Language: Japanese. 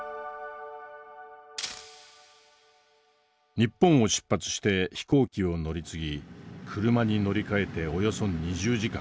日本を出発して飛行機を乗り継ぎ車に乗り換えておよそ２０時間。